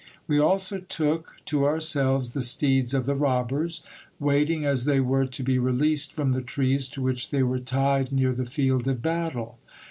We also took to ourselves the steeds of the robbers, waiting as they were to be released from the trees to which they were tied near the field of battle.